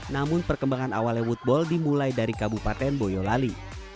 namun perkembangan awalnya woodball dimulai dari kabupaten boyolali